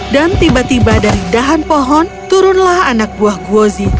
dan tiba tiba dari dahan pohon turunlah anak buah guozi